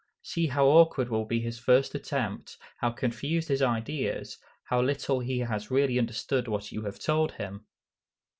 See how awkward will be his first attempt, how confused his ideas, how little he has really understood what you have told him.